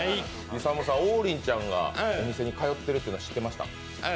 勇さん、王林ちゃんがお店に通ってるのは知ってました？